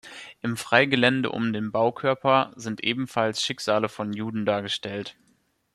Im Freigelände um den Baukörper sind ebenfalls Schicksale von Juden dargestellt.